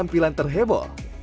biar seru ya